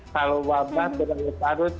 kalau wabah berharus harus